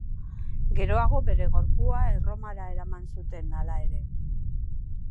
Geroago bere gorpua Erromara eraman zuten, hala ere.